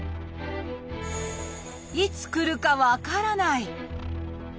いつ来るか分からない！